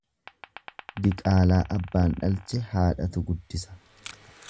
Diqaalaa abbaan dhalche haadhatu guddisa.